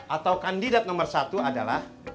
atau kandidat nomor satu adalah